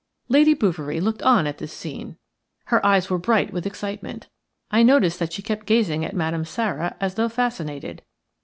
Lady Bouverie looked on at this scene. Her eyes were bright with excitement. I noticed that she kept gazing at Madame Sara as though fascinated.